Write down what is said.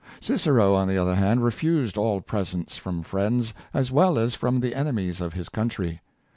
Cicero, on the other hand, refused all pres ents from friends, as well as from the enemies of his country.